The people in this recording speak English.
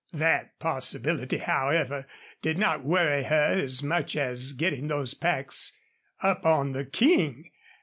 That possibility, however, did not worry her as much as getting those packs up on the King.